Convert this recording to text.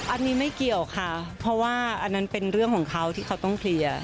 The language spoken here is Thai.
อันนี้ไม่เกี่ยวค่ะเพราะว่าอันนั้นเป็นเรื่องของเขาที่เขาต้องเคลียร์